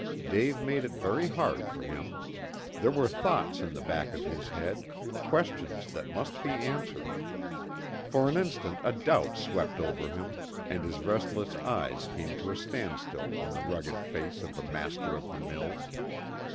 Dave made it very hard for him. There were thoughts in the back of his head, questions that must be answered. For an instant a doubt swept over him, and his restless eyes came to a standstill on the rugged face of the master of the mills.